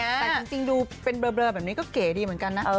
แต่จริงดูเป็นเบลอแบบนี้ก็เก๋ดีเหมือนกันนะ